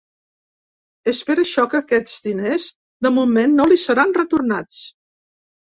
És per això que aquests diners, de moment, no li seran retornats.